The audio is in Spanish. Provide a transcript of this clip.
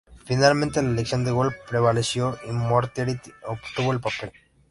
Finalmente la elección de Wolf prevaleció y Moriarty obtuvo el papel.